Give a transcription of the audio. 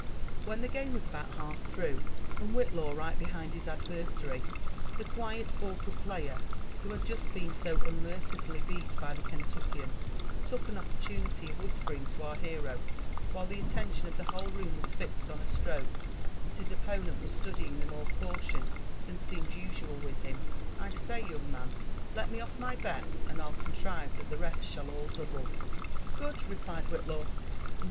When the game was about half through^ and Whitiaw right behind his adversary, the quiet, awkward player who had just been so un mercifully beat by the Kentuckian took an opportunity of whispering lo our hero, while the attention of the whole room was fixed on a stroke that his opponent was studying with more caution than seemed usual with him, ." I say, young man, let me off my bet, and I'll contrive that the rest shall all double.'' Good !'* replied Whitiaw, in the.